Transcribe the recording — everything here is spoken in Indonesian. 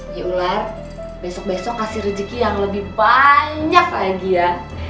di ular besok besok kasih rezeki yang lebih banyak lagi ya